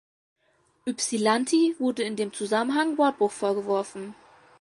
Ypsilanti wurde in dem Zusammenhang Wortbruch vorgeworfen.